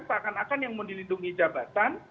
seakan akan yang mau dilindungi jabatan